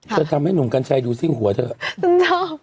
จะทำให้หนุ่มกัญชัยดูซิ่งหัวเถอะ